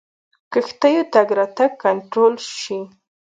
کښتیو تګ راتګ کنټرول شي.